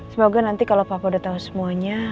semoga nanti kalau bapak udah tahu semuanya